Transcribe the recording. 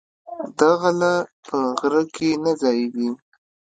دغله په غره کی نه ځاييږي